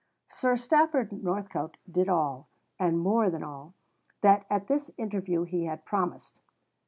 Sir Stafford Northcote did all, and more than all, that at this interview he had promised.